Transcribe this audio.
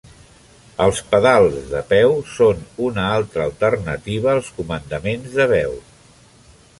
Els pedals de peu són una altra alternativa als comandaments de veu.